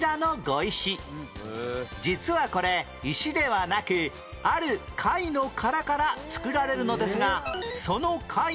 実はこれ石ではなくある貝の殻から作られるのですがその貝の種類は？